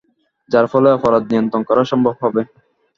যার ফলে অপরাধ নিয়ন্ত্রণ করা সম্ভব হবে।